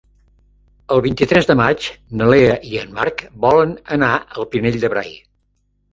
El vint-i-tres de maig na Lea i en Marc volen anar al Pinell de Brai.